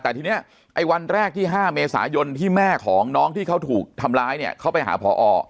แต่ทีนี้ไอ้วันแรกที่๕เมษายนที่แม่ของน้องที่เขาถูกทำร้ายเนี่ยเขาไปหาพอ